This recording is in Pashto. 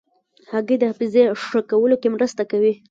هګۍ د حافظې ښه کولو کې مرسته کوي.